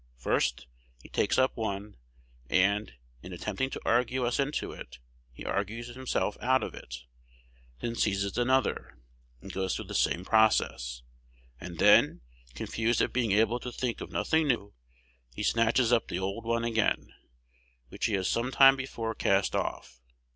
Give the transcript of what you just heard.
First, he takes up one, and, in attempting to argue us into it, he argues himself out of it; then seizes another, and goes through the same process; and then, confused at being able to think of nothing new, he snatches up the old one again, which he has some time before cast off.